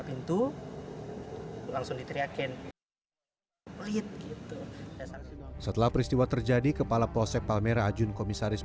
pintu langsung diteriakin setelah peristiwa terjadi kepala proses palmera jun komisaris